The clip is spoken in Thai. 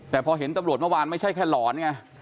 แต่พอเห็นตำรวจเมื่อวานไม่ใช่แค่หลอนไง